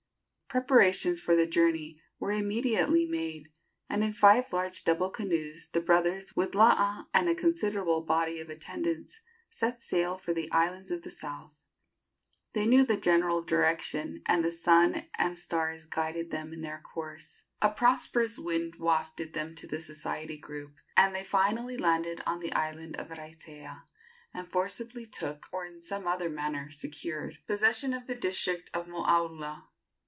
Preparations for the journey were immediately made, and in five large double canoes the brothers, with Laa and a considerable body of attendants, set sail for the islands of the south. They knew the general direction, and the sun and stars guided them in their course. A prosperous wind wafted them to the Society group, and they finally landed on the island of Raiatea, and forcibly took, or in some other manner secured, possession of the district of Moaula.